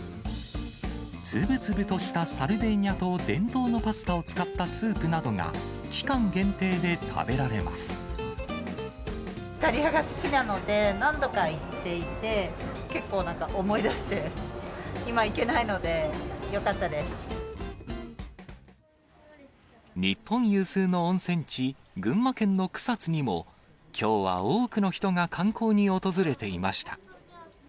つぶつぶとしたサルデーニャ島伝統のパスタを使ったスープなどが、イタリアが好きなので、何度か行っていて、結構なんか思い出して、今、行けないので、日本有数の温泉地、群馬県の草津にも、きょうは多くの人が観光に訪れていました。